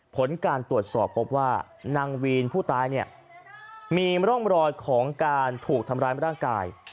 ผลการตรวจสอบพบว่านางวีนผู้ตายเนี่ยมีร่องรอยของการถูกทำร้ายร่างกาย